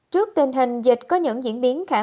trước tình hình dịch có những diễn biến khả